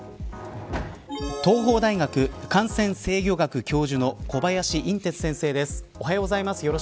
東邦大学感染制御学教授の小林寅てつ先生です。